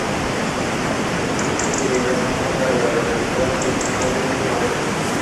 El siguiente diagrama muestra a las localidades en un radio de de Balfour.